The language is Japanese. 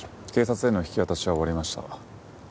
警察への引き渡しは終わりました。